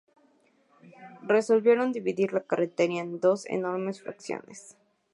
Resolvieron dividir la tierra en dos enormes fracciones.